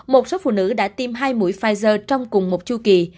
một số phụ nữ đã tiêm hai mũi pfizer trong cùng một chu kỳ